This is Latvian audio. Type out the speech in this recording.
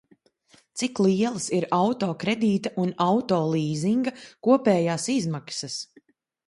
Cik lielas ir auto kredīta un auto līzinga kopējās izmaksas?